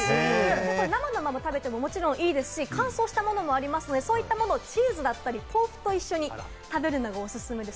生のまま食べてももちろんいいですし、乾燥したものもありますので、そういったものをチーズや豆腐と一緒に食べるのがおすすめです。